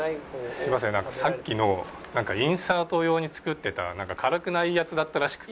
すいませんなんかさっきのインサート用に作ってた辛くないやつだったらしくて。